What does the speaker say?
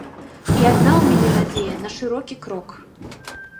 І адна ў мяне надзея на шырокі крок.